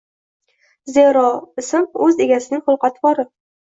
Zero, ism oʻz egasining xulq-atvori.